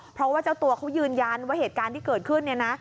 เพราะว่าเจ้าตัวเขายืนยันว่าเหตุการณ์ที่เกิดขึ้นเนี่ยนะ